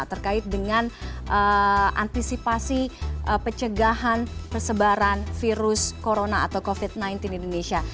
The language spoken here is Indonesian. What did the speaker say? terkait dengan antisipasi pencegahan persebaran virus corona atau covid sembilan belas di indonesia